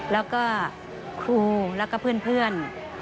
แล้วก็ครูแล้วก็เพื่อน